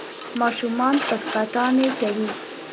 ماشومان پټ پټانې کوي.